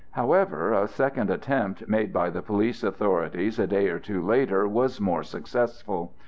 However, a second attempt made by the police authorities a day or two later was more successful.